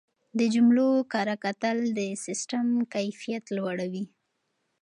د جملو کره کتل د سیسټم کیفیت لوړوي.